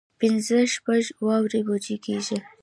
پنځه شپږ وارې پوجي کېږي.